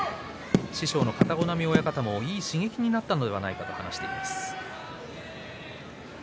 師匠の片男波親方もいい刺激になったのではないかと話していました。